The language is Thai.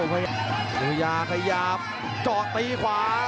ภูยาขยาบจอดตีขวา